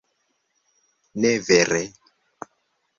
Ne vere?